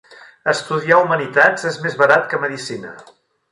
Estudiar Humanitats és més barat que Medicina.